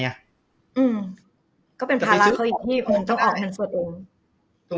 ก็เป็นภาพว่าเค้าอยากจีบ